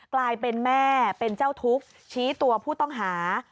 กลายเป็นแม่เป็นเจ้าทุกข์ชี้ตัวผู้ต้องหา